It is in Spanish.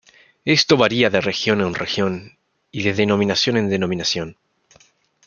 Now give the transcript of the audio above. Esto varía de región en región, y de denominación en denominación.